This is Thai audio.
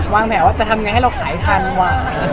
วางแผลว่าจะทำยังไงให้เราขายทันว่ะ